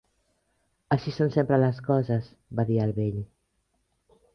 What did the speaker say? "Així són sempre les coses", va dir el vell.